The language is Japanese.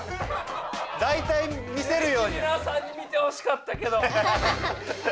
みなさんに見てほしかったけど！